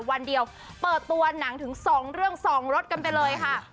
วันเดียวเบอร์ตัวนังสองเล่างส่องรถกันเลยค่ะ